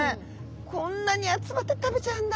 こんなに集まって食べちゃうんだ。